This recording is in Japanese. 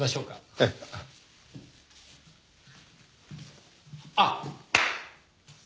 ええ。あっ。